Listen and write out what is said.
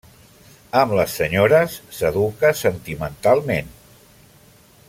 Amb les senyores, s'educa sentimentalment.